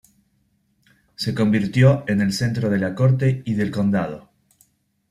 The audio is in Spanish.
Se convirtió en el centro de la corte y del condado.